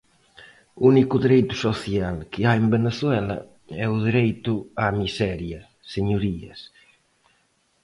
O único dereito social que hai en Venezuela é o dereito á miseria, señorías.